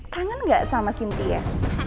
kangen gak sama sintia